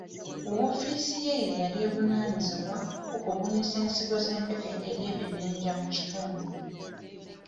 Woofiisi ye ye yali evunaanyizibwa ku kubunyisa ensigo z'empeke eri ebibinja mu kitundu.